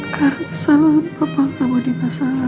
karena selalu bapak kamu di masalah